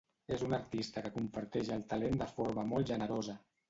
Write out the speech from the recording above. És una artista que comparteix el talent de forma molt generosa.